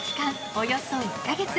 およそ１か月。